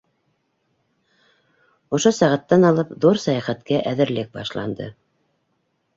Ошо сәғәттән алып ҙур сәйәхәткә әҙерлек башланды.